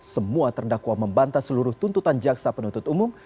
semua terdakwa membantah seluruh tuntutan jaksa penuntut umum